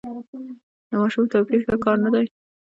د ماشومانو توپیر ښه کار نه دی.